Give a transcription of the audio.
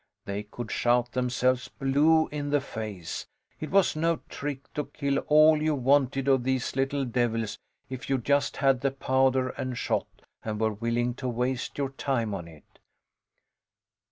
They could shout themselves blue in the face. It was no trick to kill all you wanted of these little devils if you just had the powder and shot and were willing to waste your time on it.